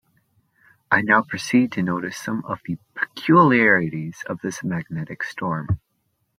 I now proceed to notice some of the peculiarities of this magnetic storm.